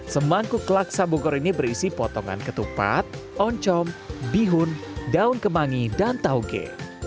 semangkuk laksa bogor ini berisi potongan ketupat oncom bihun daun kemangi dan tauge